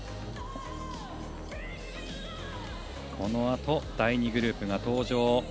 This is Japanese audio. このあと第２グループが登場。